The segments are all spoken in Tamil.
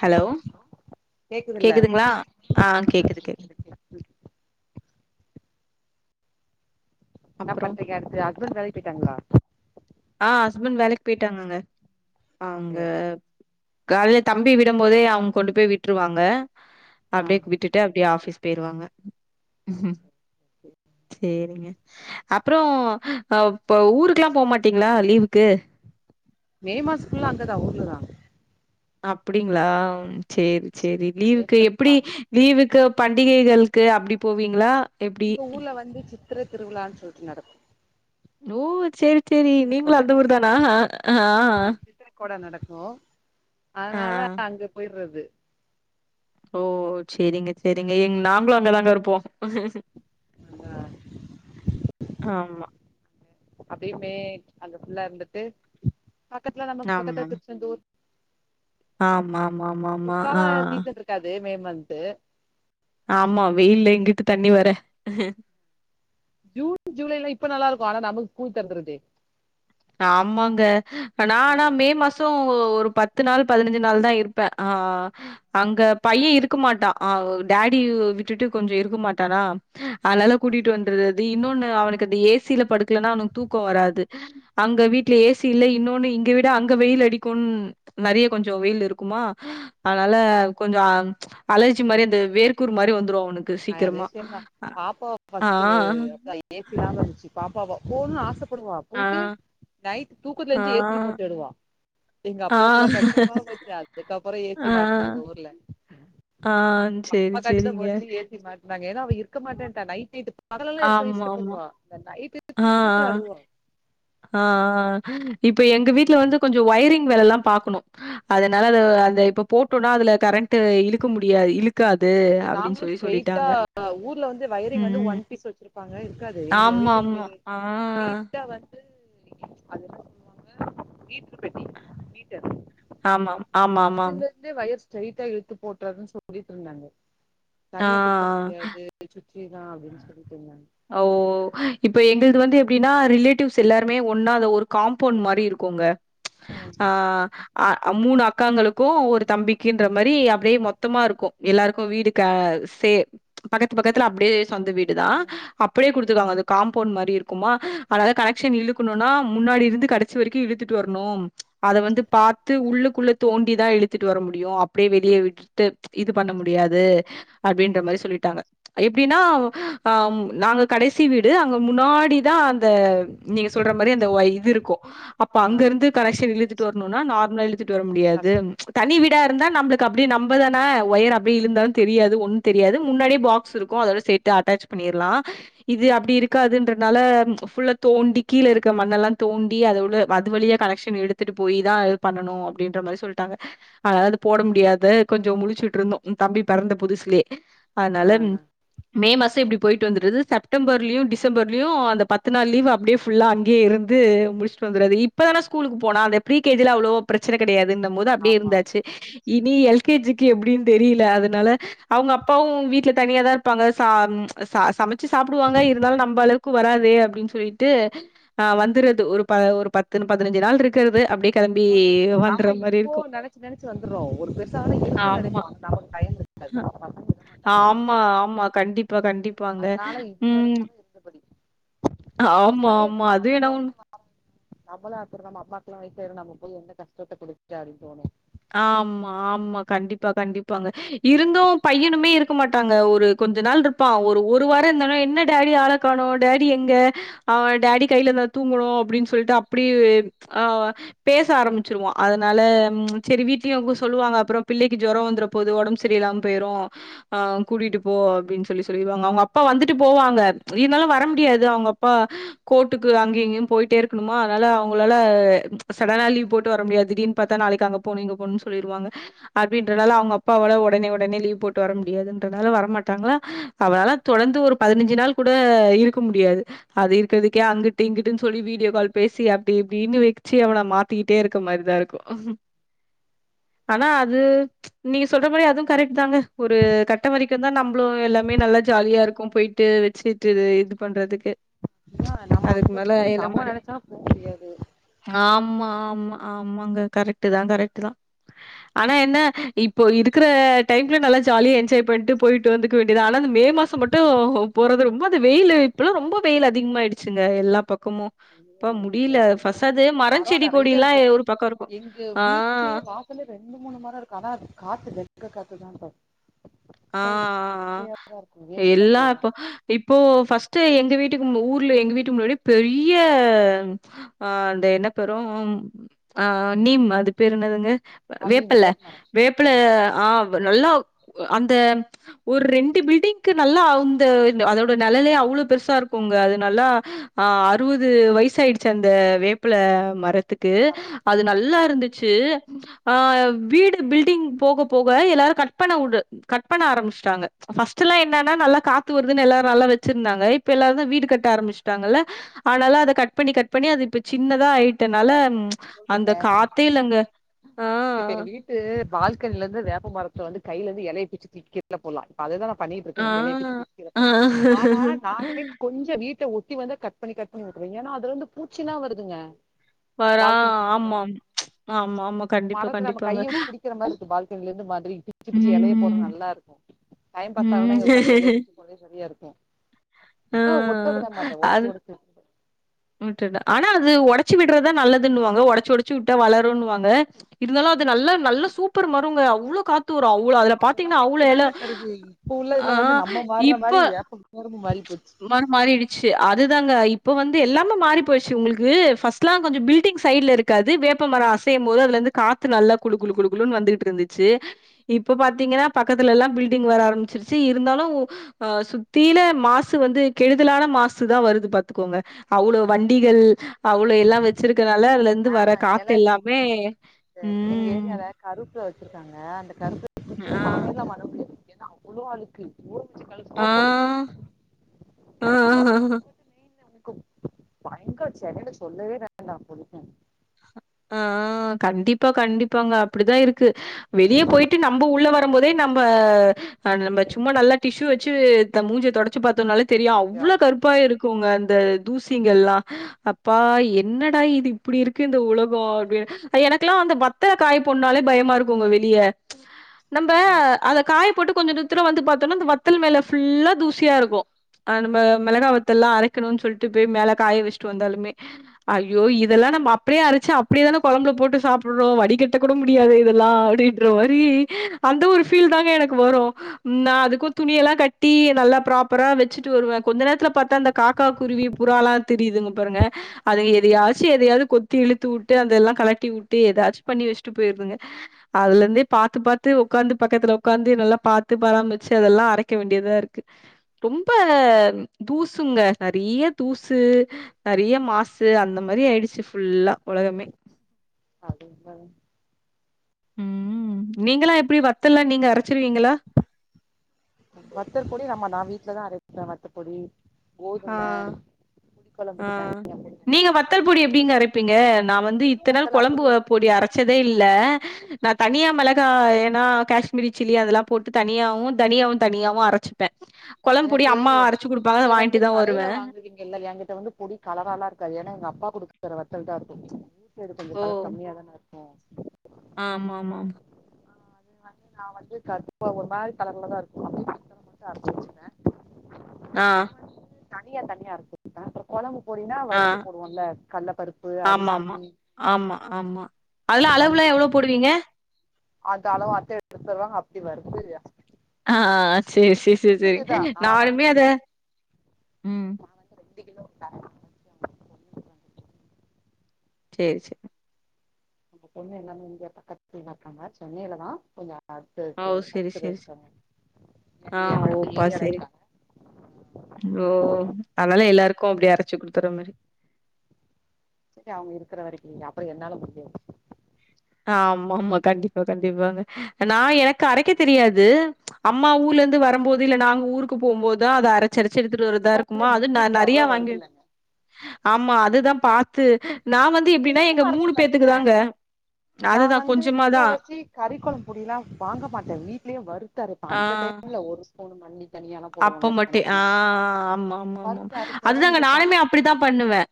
ஹலோ கேக்குதுல்ல கேக்குதுங்ளா ஆ கேக்குது கேக் நா அப்புறோ பத்திரிக்க அடுத்து ஹஸ்பண்ட் வேலை போய்ட்டாங்ளா ஆ ஹஸ்பண்ட் வேலைக் போய்ட்டாங்கங்க அங்க போயாச்சா கால்லே தம்பி விடும் போதே அவ்ங் கொண்டு போய் விட்ருவாங்க ஆ அப்டிக் விட்டுட்டு அப்டியே ஆஃபிஸ் பெய்ருவாங்க ச்சேரிங்க அப்றோ அப்ப ஊருக்லாம் போமாட் த்திங்ளா லீவுக்கு மே மாஸ் ஃபுல்லா அங்கதா ஊர்லதா அப்டிங்ளாம் ச்சேரி ச்சேரி லீவ்க்கு ஏப்ரல் பா எப்டி லீவுக்கு பண்டிகைகள்க்கு அப்டி போவீங்களா எப்டி எங்க ஊர்ல வந்து சித்திர திருவிழா சொல்ட்டு நடத் நூ ச்சரி ச்சரி நீங்ளு சித்திரக்கொட அந்த ஊர் தானா ஹ அஆ அ கொட நடக்கு ஆ அதனால அங்கு பொய்ர்றது ஓ ச்செரிங்க செரிங்க எங் நாங்ளு அங்கதாங்க இருப்போ ஆ ஆமா அப்பயமே அங்க ஃபுல்ல இருந்துட்டு பக்கத்துல நமக்கு பக்கத்து திருச்சந்தூர் ஆமா ஆமா ஆமா ஆமா ஆ இக்கது மே மந்து ஆமா வெயில்ல எங்குட்டு தண்ணி வர ஜூன் ஜூலைல இப்ப நல்லா இருக்கும் ஆனா நமக்கு ஸ்கூல் தொருந்துறது ஆமாங்க நான் ஆ ஆனா ஆ மே மா சோ ஒரு பத்து நாள் பதினஞ்சு நாள் தான் இருப்பேன் ஆ அங்க பையன் இருக்க மாட்டான் டேடி விட்டுட்டு கொஞ்ச இருக்க மாட்டானா அதனால கூட்டிகிட்டு வந்துறது இன்னொன்னு அவனுக்கு அந்த ஏசியில படுக்கலன்னா அவனுக்கு தூக்கம் வராது அங்க வீட்ல ஏசி இல்ல இன்னொன்னு இங்க விட அங்க வெயில் அடிக்குன் நெறைய கொஞ்ச வெயில் இருக்குமா அதனால கொஞ்ச அலர்ச்சி மாரி அந்த வேர்கூரு மாரி வந்துரும் அவனுக்கு அதே சீக்கிரமா. விஷயம் தான் பாப்பா ஆ, ஃபஸ்ட்டு ஏசி இல்லமா இருந்துச்சு பாப்பாவா போனு ன்னு ஆசப்படுவா ஆ, போய்ட்டு நைட் தூக்கத்துல ஆ, என்ச்சி ஏசி ரிமோட் தெடுவா எங்க ஆ, அப்பாவுக்குல்லா கஷ்டமா போச்சு அதுக்கப்பறம் ஏசி ஆ, மாட்டினாங்க ஊர்ல ஆ செரி பாப்பாக்காண்டி தா செரிங்க மோஸ்ட்லி ஏசி மாட்ரங் அவ இருக்க மாட்டேன்டா நைட் ட்டு பகல் எல்லா இருக்க இஷ்ட ஆமாமா. பண்ணுவ இந்த நைட் ஆ இப்ப எங்க வீட்ல வந்து கொஞ்ச ஒயரிங் வேல்லா பாக்கணு அதனால அத இப்ப போட்டோம்னா அதுல கரண்ட இழுக்க முடியாது இழு எங்க நாங்களும் ஸ்ரேய்ட்டா ஊர்ல வந்து வயரிங் வந்து ம். ஒன் பீஸ் வெச்சிருப் பாங்க இருக்காது எங்க வீட்டுக்கு ஆமாமா. ஆ, ஸ்ரேய்ட்ட வ ந்து அதா என்ன சொல்லுவாங்க வீட்டு மீடர் பெட்டி வீடர் ஆமாம். ஆமாமாம். அதுல தே வயர் ஸ்ரைட்டா எழுத்து போட்டுறதுன்னு சொல்லிட்டு இருந்தாங்க ஆ, தனிய குடுக்க முடியாது சுற்றிதான் அப்டின்னு சொல்லிட்டு இருங்காங்க ஓ இப்ப எங்கள்து வந்து எப்டின்னா ரிலேட்டிவ்ஸ் எல்லாருமே ஒன்னா அத ஒரு காம்பவுண்ட் மாரி இருக்கோங்க ஆ மூணு அக்காங்களு க்கு ஒரு தம்பிக்குன்ற மாரி அப்டியே மொத்தமா இருக்கும் எல்லாருக்கும் வீடு க சே பக்கத்து பக்கத்துல அப்டியே சொந்த வீடுதான் அப்டியே குடுத்துக்காங்க அது காம்பவுண்ட் மாரி இருக்குமா அதாவது கனெக்ஷன் இழுக்கணும்னா முன்னாடி இருந்து கடச் சி வரைக்கும் இழுத்துட்டு வரணும் அத வந்து பாத்து உள்ளுக்குள்ள தோண்டிதான் இழுத்துட்டு வர முடியும் அப்டியே வெளியே விட் டு இது பண்ண முடியாது அப்டின்ற மாரி சொல்லிட்டாங்க எப்டின்னா ஆ நாங்க கடசி வீடு அங்க முன்னாடிதான் அந்த நீங்க சொல்ற மாரி அந்த இது இருக்கும் அப்ப ஆ அங்க இருந்து கனெக்ஷன் இழுத்துட்டு வரணும்னா நார்மலா இழுத்துட்டு வர முடியாது கஷ்டம் தனி வீடா இருந்தா நம்பளுக்கு அப்டி நம்ப தானே ஒயர் அப்டி இழுந்தாலும் தெரியாது ஒன்னும் தெரியாது முன்னாடியே பாக்ஸ் இருக்கும் அதோட செட் டு அட்டாச் பண்ணிர்லா இது அப்டி இருக்காதுன்றனால ஃபுல்ல தோண்டி கீழே இருக்க மண்ணெல்லாம் தோண்டி அதோட அது வழிய கனெக்ஷன் எடுத்துட்டு போய் தான் இது பண்ணணு அப்டின்ற மாரி சொல்ட்டாங்க அதனால அது போட முடியாது கொஞ்ச முழச்சுட்டு இருந்தோம் தம்பி பெறந்த புதுசுலயே ஆ அதனால மே மாசம் இப்டி போயிட்டு வந்தருது செப்டம்பர்லயும் டிசம்பர்லயும் அந்த பத்து நாள் லீவ் அப்டியே ஃபுல்லா அங்கேய இருந்து முடிச்சிட்டு வந்துறது இப்பதானே ஸ்கூலுக்கு போனா அந்த ப்ரீ கே ஜி லா அவ்ளோ ப்ரெச்சன கடையாதுந்த மோது அப்டியே ஆமா ஆமா இருந்தாச்சு இனி எல் கே ஜிக்கு எப்டின்னு தெரியில அதனால அவுங்க அப்பாவும் வீட்ல தனியா தான் பாங்க சா ச சமைச்சு சாப்பிடுவாங்க இருந்தாலும் நம்ம அளவுக்கு க்கு வராதே அப்டின்னு சொல்லிட்டு அ வந்துறது ஒரு ப ஒரு பத்து பதினஞ்சு நாள் இருக்கு நம்ப இப்போ இருக்கு நெனச்சு நெனச்சு வந்துறோம் ஒரு பெருசான இருக்குன்னு ஆமா நனைப்போம் நாம டைம் இருக்காது நம்ம ஆமா ஆமா கண்டிப்பா கண்டிப்பாங்க அதனால இப்ப ம் இருந்தாலு இருந்தபடி ஆமா ஆமா அதேனவுன் நம்மளும் அப்டித்தான் அம்மாவுகெல்லாம் வயசாயிடும் நம்ம போய் என்ன கஷ்டத்த குடுத்துட்டு அப்டின்னு தோனும் ஆமா ஆமா கண்டிப்பா கண்டிப்பாங்க இருந்தும் பையனுமே இருக்க மாட் ட்டாங்க ஒரு கொஞ்ச நாள் இருப்பான் ஒரு ஒரு வாரம் இருந்தாலும் என்ன டேடி ஆள காணும் டேடி எங்க அவன் டேடி கையில தான் தூங்கணும் அப்டின்னு சொல்லிட்டு அப்படி ஆ பேச ஆரம்பிச்சிருவான் அதனால செரி வீட்லயையும் அப்டி சொல்லுவாங்க அப்புறோம் பிள்ளைக்கு ஜொரொம் வந்துற போது உடம்பு சரியில்லாம போயிடும் அ கூட்டிட்டு போ அப்டின்னு சொல்லி சொல்லிருவாங்க அவுங்க அப்பா வந்துட்டு போவாங்க இருந்தாலும் வர முடியாது அவுங்க அப்பா கோர்ட்டுக்கு அங்கேயும் இங்கேயும் போயிட்டே இருக்கணுமா அதனால அவுங்களால சடனா லீவ் போட்டு வர முடியாது திடீர்னு ப்பத்தா நாளைக்கு அங்க போணும் இங்க போணுன்னு சொல்லிருவாங்க அப்டின்றனால அவுங்க அப்பாவாள உடனே உடனே லீவ் போட்டு வர முடியாதுன்றனால வரமாட் டாங்களா அவனாலா தொடர்ந்து ஒரு பதினஞ்சு நாள் கூட இருக்க முடியாது அது இருக்குறதுக்கே அங்குட்டு இங்குட்டுன்னு சொல்லி வீடியோ கால் பேசி அப்படி இப்டின்னு வச்சு அவன மாத் த்திட்டே இருக்க மாரிதான் இருக்கும் அனா அது நீங்க சொல்ற மாரி அதுவும் கரெக்ட் தாங்க ஒரு கட்ட வரைக்கும் ந்தான் நம்பளும் எல்லாமே நல்லா ஜாலியா இருக்கும் போயிட்டு வெச்சுட்டு இது இது பண்றதுக்கு ஏன்னா நம்ம அதுக்கு மேல அதுக்கப்புறம் எல்லா நம்ப நனைச்சாளும் போ முடியாது ஆமா ஆமா ஆமாங்க கரெட் தான் கரெட் தான் ஆனா என்ன இப்போ இருக்குற டைம்ல நல்லா ஜாலியா என்ஜாய் பண்ணிட்டு போயிட்டு வந்துக்க வேண்டியதுதான் ஆனா இந்த மே மாசம் சோ மட்டும் போறது ரொம்ப அந்த வெயில்லு இப்பல்லாம் ரொம்ப வெயில் அதிகமாயிடுச்சுங்க எல்லா பக்கமும் ஐயோ அப்பா முடில ஏ கேக்குறீங்க பஸ்டாவது மரம் செடி கொடி எல்லாம் ஒரு பக்கோம் இருக்கும் யென் ஆ, வீட்லே வாசலே ரெண்டு மூணு மரம் இருக்கும் அனா அது காத்து வெக்க காத்துதான் பா ஆ ஆ சை வெக்கையாதா இருக்கு ஏ ஆ சி தா எல்லாம் போடுவோ இப்போ இப்போ ஃபர்ஸ்ட்டு எங்க வீட்டுக்கு மு ஊர்ல எங்க வீட்டுக்கு முன்னாடி பெரிய அ அந்த என்ன பெரும் அ நீம் அது அது பேரு என்னதுங்க ஐ மீன் வேப்பெல்ல வேப்ப மரோ வேப்பெல்ல ஆ நல்லா அந்த ஒரு ரெண்டு பில்டிங்க்கு நல்லா அ இந்த அதோட நெழலே அவ்வளோவு பெருசா இருக்கும்ங்க அது நல்லா ஆ அறுபது வயசு ஆயிடுச்சு அந்த வேப்பல மர த்துக்கு அது நல்லா இருந்துச்சு ஆ வீடு பில்டிங் போக போக எல்லாரும் கட் பண்ண வுடு கட் பண்ண ஆரம்புச்ட்டாங்க ஃப்ஸ்ட்டுலாம் என்னன்னா நல்லா காத்து வருதுன்னு எல்லாரும் நல்லா வச்சிருந்தாங்க இப்ப எல்லாரும் தான் வீடு கட்ட ஆரம்பிச்சுட்டாங்கல்ல அதனால அத கட் பண்ணி கட் பண்ணி அது இப்ப பெ சின்னதா நீங்க ஆயிட்டனால சொல்றீங்க அந்த காத்தே இல்லங்க ஆ இது பால்கனில இருந்து வேப்ப மரத்துல வந்து கையில இருந்து இலய பிச்சு திங்க இல போலாம் இப்ப அதுதான் பண்ணிட்டு ஆ இருக்கன் இலய பிச்சு ஆ போறா ஆனா நானுமே கொஞ்ச வீட்ட ஒட்டி வந்த கட் கட் பண்ணி கட் பண்ணி விட்ருவன் ஏன்னா அதுல வந்து பூச்சில்லா வருதுங்க வறா ஆமா அம் ஆமா ஆமா க இப்ப மடக்கர நம்ம கைய வச்சு பிடிக்கற மாரி இருக்கு பால்கனில இருந்து மாதிரி பிச்சு பிச்சு எலைய போடற ம் நல்லா இருக்கு டைம் பாஸ் ஆவுனா இங்க ஒக்காந்து எலைய ம் பிச்சு ஒரே செரியா இருக்கு ஆ ஒட்ட விட மாட்டே ஒடச்சு ஒடச்சு ம் செரி டா அனா அது ஒடச்சு விட்றதுதா நல்லதுன்னுவாங்க ஒடச்சு ஒடச்சு விட்டா வளருன்னுவாங்க இருந்தாலு அது நல்ல நல்ல சூப்பர் மருங்க அவ்ளோ காத் து வரு அவ்ளோ அதுல அதெல்லா பாத்திங்கன்னா வெக்க அவ்ளோ எல தாங்க தருது இப்ப உள்ள இதுல ஆ வந்து நம்ம மாறுற மாரி இப்ப வேப்ப கரும்பு மாறி போச்சு மரு மாறிடுச்சு அதுதாங்க இப்ப வந் து எல்லாமே மாறி போயிசு உங்களுக்கு ஃபஸ்ட்லா கொஞ்சோ பில்டிங் சைட்ல இருக்காது வேப்பமர அசையும்போது அதுல இருந்து காத்து நல்லா குளு குளு குளுன்னு வந்துட்ருந்துச்சு இப்ப பாத்திங்கன்னா பக்கத்துலலா பில்டிங் வர ஆரம்பிச்சிருச்சு இருந்தாலு அ சுத்தீலு மாசு வந்து கெடுதலான மாசுதா வருது பாத்துக்கோங்க அவ்ளோ வண்டிகள் அவ்ளோ எல்லா வெச்சிருக்கனால அதுல இருந்து ஆ வர எல காத்து எல்லாமே ம் கரூப்புல வச்சிருக்காங்க அந்த ஆ [inaudible] ஏன்னா அவ்ளோ அழுக்கு ஊற வச்சு கழு ஆ சோப் போடு கழுவுனு [inaudible] ஆ மெயின்னு உனக்கு பயங்கர [unintelligible] சொல்லவே வேண்டா [unintelligible] ஆ கண்டிப்பா கண்டிப்பாங்க அப்படிதா இருக்கு வெளிய போயிட்டு நம்ப உள்ள வரம்போதே நம்ப அது நம்ப சும்மா நல்லா டிஷ்யூ வெச்சு இத்த மூஞ்ச தொடச்சு பாத்தோன்னாலே தெரியு ஐயோ அவ்ளோ கருப்பா இருக் குங்க அந்த தூசிங்கல்லா அப்பா என்னடா இது இப்டி இருக்கு இந்த உல கோ அப்டின்னு எனக்கெல்லா அந்த வத்தல காய போடுனுன்னாலே பயமா இருக்குங்க வெளிய நம்ப ஆ அத காய போட்டு கொஞ்ச தூத்துல வந்து பாத்தொன்னா இந்த வத்தல் மேல ஃபுல்லா தூசியா இருக்கு அ நம்ப மெளகா வத்தல்லா அரைக்கணு சொல்ட்டு போய் மேல காய வெஸ்ட்டு வந்தாலுமே ஐயோ இதல்லா நம்ம அப்படே அரச்சா அப்படியே தான கொழம்புல போட்டு சாப்பட்றோ வடிகட்ட கூட முடியாது இதல்லா அப்டின்ற மாரி அந்த ஒரு ஃபீல் தாங்க எனக்கு வரு நா அதுக்கு துணியல்லா கட்டி நல்லா ப்ராப்பரா வெச்சுட்டு வருவ கொஞ்ச நேர த்துல பாத்தா இந்த காக்கா குருவி புறலா திரியிதுங்க பாருங்க அது எதயாச்சு எதயாது கொத் திழுத்தூட்டு அதல்லா கலட்டிவூட்டு எதாச்சு பண்ணி வெஸ்ட்டு போயிருதுங்க அதுல இருந்தே பாத்து பாத்து ஒக்காந்து பக்கத்துல ஒக்காந்து நல்லா பாத்து பராம்பரிச்சு அதல்லா அரைக்க வேண்டியதா இருக்கு ரொம்ப தூசுங்க நறைய தூசு நறைய மாசு அந்த மாரி ஆயிடுச்சு ஃபுல்லா உலகமே அது உண்மதா ம் நீங்களா எப்படி வத்தல்லா நீங்க அரச்சிருவீங்களா வத்தர் பொடி நம்ம நா வீட்லதா அரைக்கறே வத்த பொடி கோதும ஆ புளி ஆ குழம்புக்கு [inaudible] நீங்க வத்தல் பொடி எப்டிங்க அரப்பிங்க நா வந்து வெறு இத்தன் நாள் வத்தல் அப்படியே குழம்புவ இருக்கு. பொடி அர ச்சதே இல்ல நா தனியா மெளகா ஏன்னா கேஷ்மீரி சில்லி அதல்லா போட் டு தனியாவு தனியாவு தனியாவு அரச்சிப்பே கொழம்பு பொடி எனக்கு அம்மா அரச்சு குடுப்பாங்க அத நீங்க வந்து வாங்கிட்டு தா வருவே கடையில வாங்குவீங்கல்ல ஏங்கிட்ட வந்து பொடி கலராலா இருக்காது ஏன்னா எங்க அப்பா குடுக்கற வத்தல் தா இருக்கு [inaudible] [unintelligible] இது கொஞ்ச கலர் கம்மியாதான இருக்கு ஆம்மாம்மாம்மா ஆ அது வந்து நா வந்து க [inaudible] ஒரு மாரி கலர்லதா இருக்கு அப்படியே வத்தல் மட்டு அரஞ்சி [inaudible] அ ஆ தனியா தனியா இருக்கு தா அப்புறம் கொழம்பு பொடினா ஆ வறுத்து போடுவோம்ல கடல்ல பருப்பு ஆமாமா. அரிசி ஆமா ஆமா அதெல்லாம் அளவு எல்லாம் எவ்வளோ போடுவீங்க அது அளவு அத்த எடுத்து தருவாங்க அப்டி வருத்து அ ஆ செரி செர் செர் செரி நா நானுமே அத உம் மாவு வந்து ரெண்டு கிலோ அரைப்பாங்க செரி செ அவுங்க பொண்ணு எல்லாமே இங்க பக்கத்துல தா இருக்காங்க சென்னையிலதா கொஞ்ச ஓ! [inaudible] சரி, பத்து பேர் சரி, சரி. இருக்காங்க ஆ ஏ அடுத்து ஓப்பா ஏரியாவ்ல சரி. இருக்காங்க ஓ அதனால அவங்க எல்லாருக்கும் அப்டி அரச்சு குடுத்துற மாரி செரி அவுங்க இருக்கிற வரைக்கு அப்புறம் என்னால முடிஞ்ச [inaudible] ஆமா ஆமா கண்டிப்பா கண்டிப்பாங்க நா எனக் அரைக்க தெரியாது அம்மா ஊர்ல இருந்து வரும்போது இல்ல நாங்க ஊருக்கு போகும் போதான் அது அர ச்சு அரச்சு எடுத்துட்டு வருதா இப்ப என்ன இருக்குமா அது ந யூடியூப்ல நறையா அவ்வளவு வருது வாங்கி இல்லைங்க ஆமா அதுதான் பாத்து நா வந்து எப்டின்னா எங்க மூனு பேத்துக்கு தாங்க நா அதுதான் வந்து கொஞ்சமா முக்கா தான். வாசி கறிக் கொழம்பு பொடி எல்லாம் வாங்க மாட்டேன் வீட்லயே வருறுத்தரைப்பன் அடுத்த ஆ. டைம்ல ஒரு ஸ்பூன் பண்ணி அப்ப மட்டும் ஆ ஆமா ஆமா ஆமா வறுத்து அரைச்சாதான் அதுதாங்க இங்க நானுமே சாப்பிடுவாங்க அப்டித்தான் பண்ணுவேன்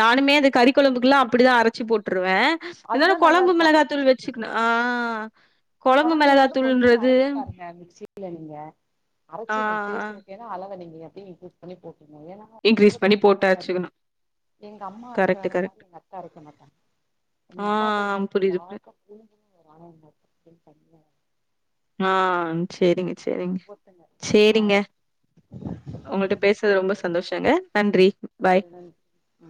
நானுமே அது கறி கொழம்புக்கு எல்லாம் அப்டிதான் அரச்சி போட்டுருவேன் இருந்தாலும் அதுதான் நல்லா கொழம்பு இருக்கு மிளகாத்தூள் வச்சுக்கணும் ஆ குழம்பு கெழம்புல வந்து கொஞ்சம் மிளகாத்தூள்ன்றது அரச்சு பாருங்க மிக்ஸி யில நீங்க அரச்சி ஆ உங்ளுக் டேஸ்ட் ஓகேன்னா அழவ நீங்க அப்டி இங்கிரிஸ் பண்ணி போட்டுருங்க ஏனா ஆ இன்கிரீஸ் பண்ணி ஒவ்வொத்தங்க போட்டு ஒவ்வொரு மாதி அரச்சுக்கணும். எங்க அம்மா அரைக்கிற கரெக்ட், மாதி கரெக்ட். எங்க அத்த அரைக்க மாட்டாங்க எங்க ஆ அம்மாக் கொஞ்சம் புரியுது, புரியுது. டார்க்கா குளு குளுன்னு வரும் எங்க அத்தைக்கு தண்ணியா வரும் ஆ செரிங்க செரிங்க ஒவ்வொருத்தங்க சேரிங்க ஒங்கள்ட்ட பேசுனது ரொம்ப சந்தோஷங்க நன்றி பாய் ஆ